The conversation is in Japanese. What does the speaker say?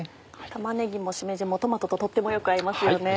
玉ねぎもしめじもトマトととってもよく合いますよね。